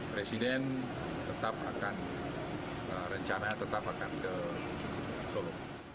presiden tetap akan rencana tetap akan ke solo